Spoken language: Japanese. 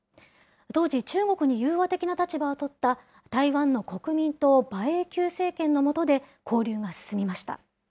当時、中国に融和的な立場を取った台湾の国民党・馬英九政権のもとで、交流が進みました。